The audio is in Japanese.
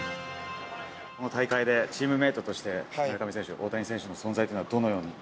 この大会で、チームメートとして村上選手、大谷選手の存在はどのように。